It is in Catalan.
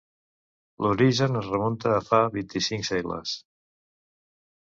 L'origen es remunta a fa vint-i-cinc segles.